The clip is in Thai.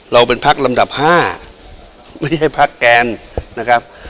เราเป็นพลักภูมิลำดับห้าไม่ใช่พลักแกนนะครับ